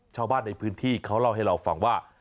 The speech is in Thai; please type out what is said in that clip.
ชาวบ้านในพื้นที่เขาเล่าให้เราฟังว่า